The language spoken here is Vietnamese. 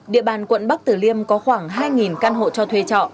địa bàn quận bắc tử liêm có khoảng hai căn hộ cho thuê trọ